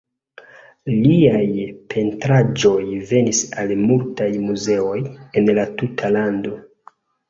Liaj pentraĵoj venis al multaj muzeoj en la tuta lando.